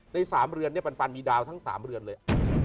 ใน๓เหรียญบันปันมีดาวทั้ง๓เหรียญเลย